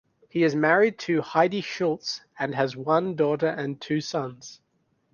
He is married to Heidi Schulz and has one daughter and two sons.